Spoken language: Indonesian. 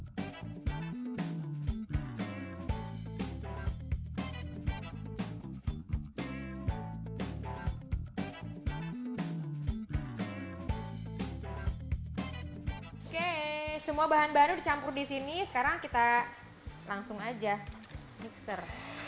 oke semua bahan bahan udah campur di sini sekarang kita langsung aja mixer